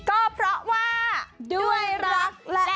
ก็เพราะว่า